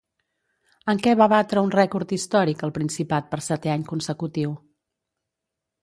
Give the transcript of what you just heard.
En què va batre un rècord històric el principat per setè any consecutiu?